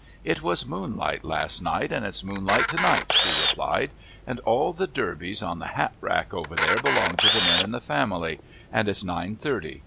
"It was moonlight last night, and it's moonlight to night," she replied, "and all the derbies on the hat rack over there belong to the men in the family, and it's nine thirty.